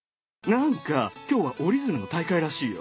なんか今日は折り鶴の大会らしいよ！